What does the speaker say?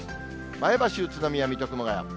前橋、宇都宮、水戸、熊谷。